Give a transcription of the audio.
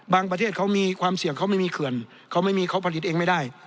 ประเทศเขามีความเสี่ยงเขาไม่มีเขื่อนเขาไม่มีเขาผลิตเองไม่ได้